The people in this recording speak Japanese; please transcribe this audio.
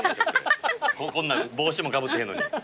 こんなん帽子もかぶってへんのに。